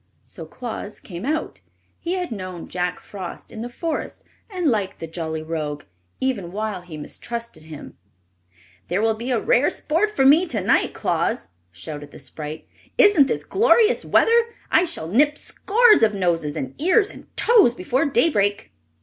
So Claus came out. He had known Jack Frost in the Forest, and liked the jolly rogue, even while he mistrusted him. "There will be rare sport for me to night, Claus!" shouted the sprite. "Isn't this glorious weather? I shall nip scores of noses and ears and toes before daybreak."